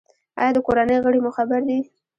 ایا د کورنۍ غړي مو خبر دي؟